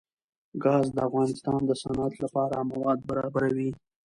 ګاز د افغانستان د صنعت لپاره مواد برابروي.